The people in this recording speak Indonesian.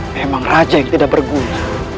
memang raja yang tidak berguna